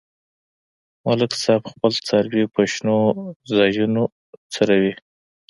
ملک صاحب خپل څاروي په شنو ځایونو څرومي.